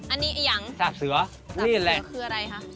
อันนี้อย่างสับเสือกรแหล่งคืออะไรคะสับเสือกนี่แหล่ง